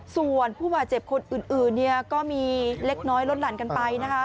ส่วนผู้บาดเจ็บคนอื่นเนี่ยก็มีเล็กน้อยลดหลั่นกันไปนะคะ